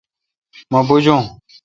مہ بوجون۔